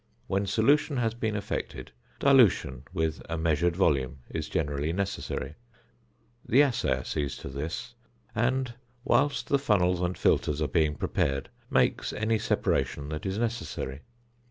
When solution has been effected, dilution with a measured volume is generally necessary. The assayer sees to this and (whilst the funnels and filters are being prepared) makes any separation that is necessary.